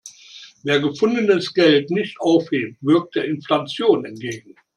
Wer gefundenes Geld nicht aufhebt, wirkt der Inflation entgegen.